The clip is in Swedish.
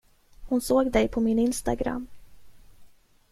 Hon såg dig på min Instagram.